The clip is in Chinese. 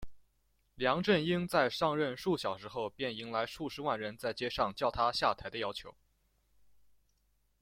梁振英在上任数小时后便迎来数十万人在街上叫他下台的要求。